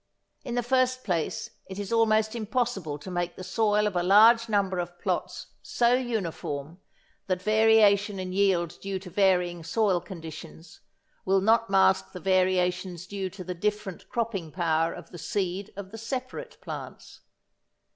In the first place it is almost impossible to make the soil of a large number of plots so uniform that variation in yield due to varying soil conditions will not mask the variations due to the different cropping power of the seed of the separate plants.